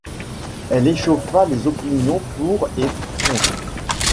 Elle échauffa les opinions pour et contre.